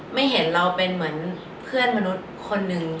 ไม่เห็นเราเป็นเหมือนเพื่อนมนุษย์คนหนึ่ง